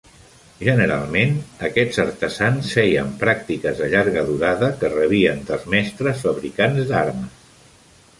Generalment, aquests artesans feien pràctiques de llarga durada que rebien dels mestres fabricants d'armes.